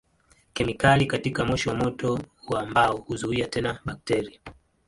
Kemikali katika moshi wa moto wa mbao huzuia tena bakteria.